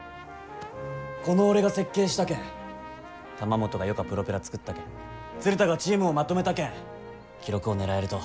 この俺が設計したけん玉本がよかプロペラ作ったけん鶴田がチームをまとめたけん記録を狙えると。